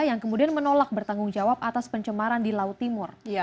yang kemudian menolak bertanggung jawab atas pencemaran di laut timur